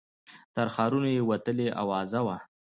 تر ښارونو یې وتلې آوازه وه